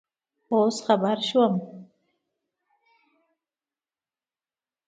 اوس خبر شوم